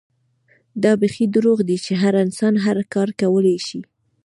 دا بيخي دروغ دي چې هر انسان هر کار کولے شي